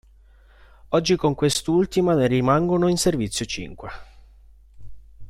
Oggi con quest'ultima ne rimangono in servizio cinque.